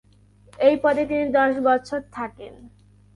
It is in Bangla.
এই পদে তিনি দশ বছর থাকেন।